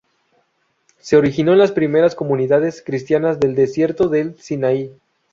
Se originó en las primeras comunidades cristianas del desierto del Sinaí.